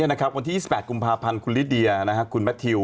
วันที่๒๘กุมภาพันธ์คุณลิเดียคุณแมททิว